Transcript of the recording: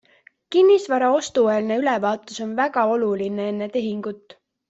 Kinnisvara ostueelne ülevaatus on väga oluline enne tehingut.